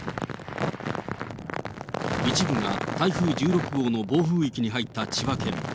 一部が台風１６号の暴風域に入った千葉県。